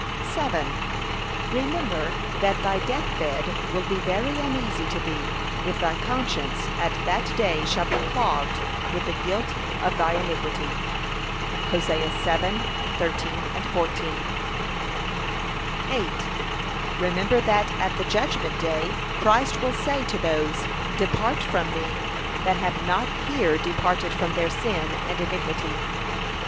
Remember that thy death bed will be very uneasy to thee, if thy conscience at that day shall be clogged with the guilt of thy iniquity. (Hosea 7:13, 14) 8. Remember that at the judgment day Christ will say to those, Depart from me, that have not here departed from their sin and iniquity.